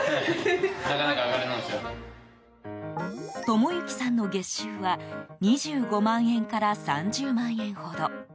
智之さんの月収は２５万円から３０万円ほど。